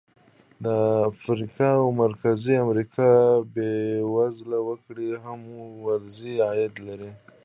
د افریقا او مرکزي امریکا بېوزله وګړي هم ورځنی عاید لري.